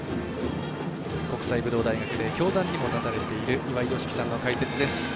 国際武道大学で教壇にも立たれている岩井美樹さんの解説です。